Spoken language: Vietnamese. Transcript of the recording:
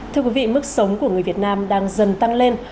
thưa quý vị mức sống của người việt nam đang dần tăng lên